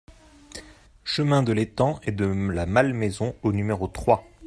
Chemin de l'Étang et de la Malmaison au numéro trois